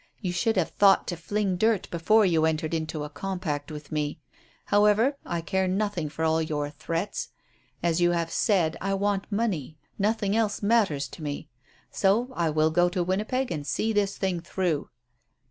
You should have thought to fling dirt before you entered into a compact with me. However, I care nothing for all your threats. As you have said, I want money. Nothing else matters to me. So I will go to Winnipeg and see this thing through."